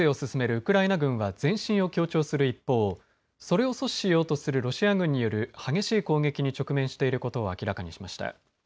ウクライナ軍は前進を強調する一方、それを阻止しようとするロシア軍による激しい攻撃に直面していることを明らかにしました。